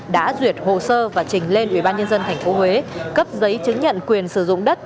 đã duyệt hồ sơ và trình lên ủy ban nhân dân tp huế cấp giấy chứng nhận quyền sử dụng đất